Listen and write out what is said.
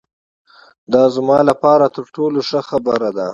دا زما له پاره تر ټولو ښه خبره ده.